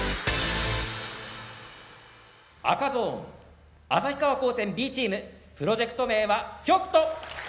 赤ゾーン旭川高専Ｂチームプロジェクト名は「旭兎」。